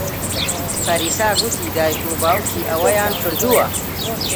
پەریسا گوتی دایک و باوکی ئەوەیان کردووە.